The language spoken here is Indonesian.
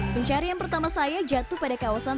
pencarian pertama saya jatuh pada kawasan